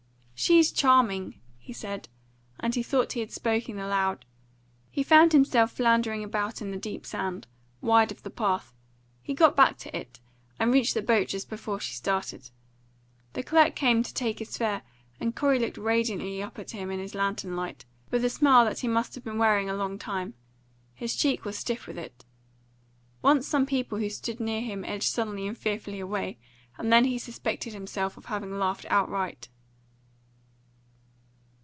"She's charming!" he said, and he thought he had spoken aloud. He found himself floundering about in the deep sand, wide of the path; he got back to it, and reached the boat just before she started. The clerk came to take his fare, and Corey looked radiantly up at him in his lantern light, with a smile that he must have been wearing a long time; his cheek was stiff with it. Once some people who stood near him edged suddenly and fearfully away, and then he suspected himself of having laughed outright.